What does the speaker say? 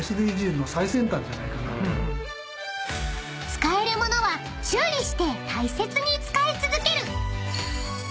［使える物は修理して大切に使い続ける］